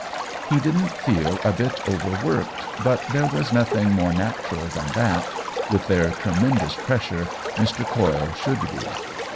He didn't feel a bit over worked, but there was nothing more natural than that, with their tremendous pressure, Mr. Coyle should be.